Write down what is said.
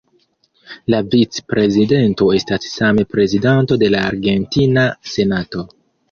La vicprezidento estas same prezidanto de la argentina senato.